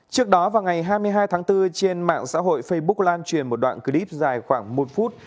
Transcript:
trước đó vào ngày hai mươi hai tháng bốn trên mạng xã hội facebook lan truyền một đoạn clip dài khoảng một phút